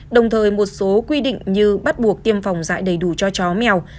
đồng thời một số quy định như bắt buộc tiêm phòng dạy đầy đủ cho chó mèo